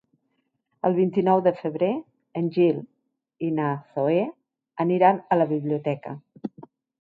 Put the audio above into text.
El vint-i-nou de febrer en Gil i na Zoè aniran a la biblioteca.